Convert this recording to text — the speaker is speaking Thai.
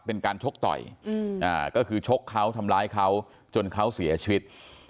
เป็นการชกต่อยก็คือชกเขาทำร้ายเขาจนเขาเสียชีวิต